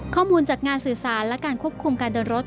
ข้อมูลจากงานสื่อสารและการควบคุมการเดินรถ